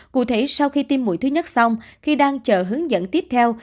cụ thể sau khi tiêm mũi thứ nhất xong khi đang chờ hướng dẫn tiếp theo